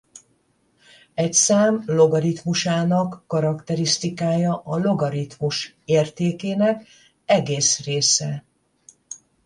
Egy szám logaritmusának karakterisztikája a logaritmus értékének egészrésze.